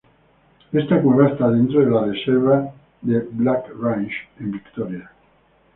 Esta cueva está dentro de la reserva de Black Range en Victoria.